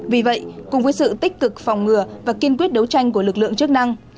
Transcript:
vì vậy cùng với sự tích cực phòng ngừa và kiên quyết đấu tranh của lực lượng chức năng